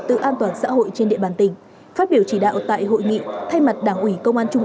tự an toàn xã hội trên địa bàn tỉnh phát biểu chỉ đạo tại hội nghị thay mặt đảng ủy công an trung